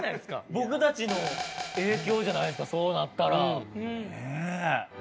僕たちの影響じゃないですかそうなったら。ねぇ。